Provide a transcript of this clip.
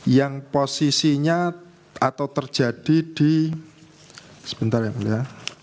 yang posisinya atau terjadi di sebentar ya mulia